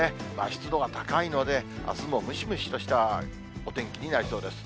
湿度が高いので、あすもムシムシとしたお天気になりそうです。